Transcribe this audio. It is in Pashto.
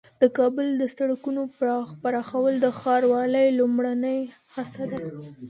د کابل د سړکونو پراخول د ښاروالۍ لومړنۍ هڅه ده.